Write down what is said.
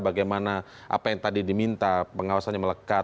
bagaimana apa yang tadi diminta pengawasannya melekat